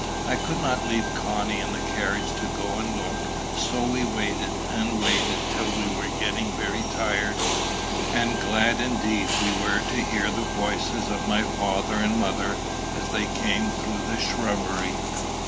I could not leave Connie in the carriage to go and look; so we waited and waited till we were getting very tired, and glad indeed we were to hear the voices of my father and mother as they came through the shrubbery.